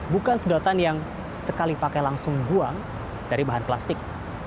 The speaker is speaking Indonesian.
bukan sedotan yang sekali pakai langsung buang dari bahan plastik